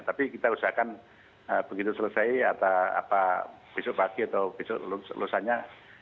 tapi kita usahakan begitu selesai atau apa besok pagi atau besok lusanya